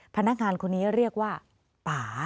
พนักงานคนนี้เรียกว่าป่า